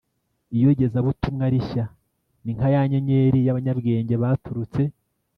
iyogezabutumwa rishya“, ni nka ya nyenyeri y’abanyabwenge baturutse